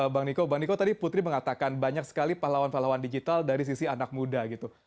bang niko bang niko tadi putri mengatakan banyak sekali pahlawan pahlawan digital dari sisi anak muda gitu